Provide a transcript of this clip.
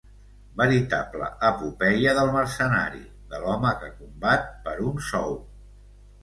veritable epopeia del mercenari, de l'home que combat per un sou